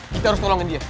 kita harus tolongin dia